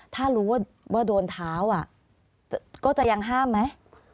ถ้ารู้ว่าโดนเท้าก็จะยังห้ามไหม